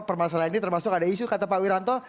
permasalahan ini termasuk ada isu kata pak wiranto